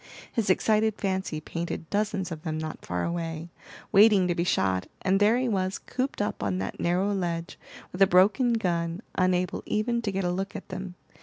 His excited fancy painted dozens of them not far away, waiting to be shot, and there he was, cooped up on that narrow ledge, with a broken gun, unable even to get a look at them.